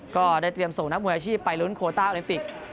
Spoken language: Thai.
ก็ได้เตรียมส่งนักมวยอาชีพไปลุ้นโคต้าโอลิมปิก